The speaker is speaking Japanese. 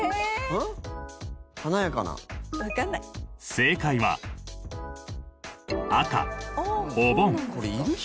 正解は赤お盆。